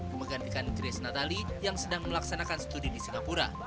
memegang ikan grace natali yang sedang melaksanakan studi di singapura